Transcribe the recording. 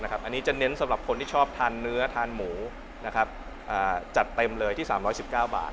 อันนี้จะเน้นสำหรับคนที่ชอบทานเนื้อทานหมูจัดเต็มเลยที่๓๑๙บาท